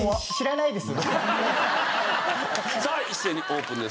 さあ一斉にオープンです。